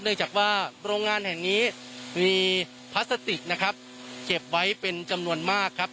จากว่าโรงงานแห่งนี้มีพลาสติกนะครับเก็บไว้เป็นจำนวนมากครับ